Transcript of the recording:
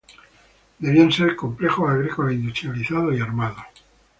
Debían ser "complejos agrícolas industrializados y armados".